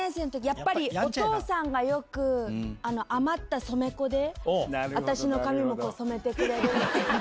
やっぱり、お父さんがよく余った染め粉で、私の髪も染めてくれる。